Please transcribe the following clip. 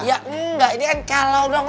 ya engga ini kan kalau doang